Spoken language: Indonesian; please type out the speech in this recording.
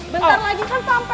bentar lagi kan sampe